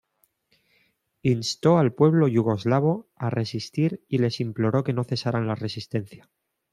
Instó al pueblo yugoslavo a resistir y les imploró que no cesaran la resistencia.